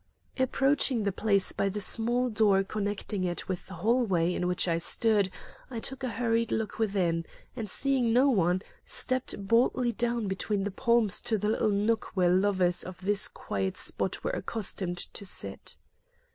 Approaching the place by the small door connecting it with the hall way in which I stood, I took a hurried look within, and, seeing no one, stepped boldly down between the palms to the little nook where lovers of this quiet spot were accustomed to sit.